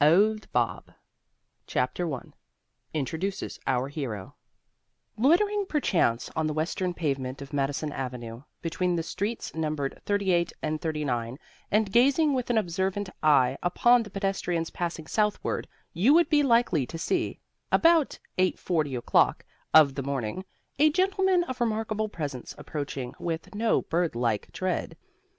"OWD BOB" CHAPTER I (INTRODUCES OUR HERO) Loitering perchance on the western pavement of Madison avenue, between the streets numbered 38 and 39, and gazing with an observant eye upon the pedestrians passing southward, you would be likely to see, about 8:40 o'clock of the morning, a gentleman of remarkable presence approaching with no bird like tread.